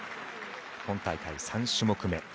今大会、３種目め。